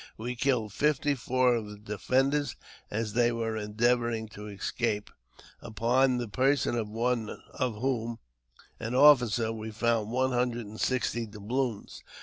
We killed fifty four of the defenders as they were endeavouring to escape, upon the person of one of whom, an officer, we found one hundred and sixty doubloons.